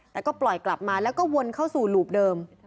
แต่ก็ปล่อยกลับมาแล้วก็วนเข้าสู่หลูบเดิม